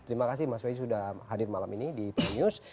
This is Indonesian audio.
terima kasih mas way sudah hadir malam ini di prime news